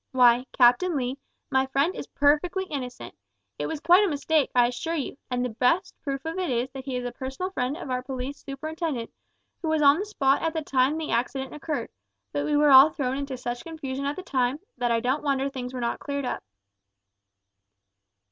Why, Captain Lee, my friend is perfectly innocent. It was quite a mistake, I assure you; and the best proof of it is that he is a personal friend of our police superintendent, who was on the spot at the time the accident occurred, but we were all thrown into such confusion at the time, that I don't wonder things were not cleared up."